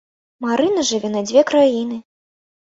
Марына жыве на дзве краіны.